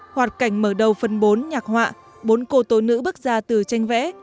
hoạt cảnh mở đầu phần bốn nhạc họa bốn cô tố nữ bước ra từ tranh vẽ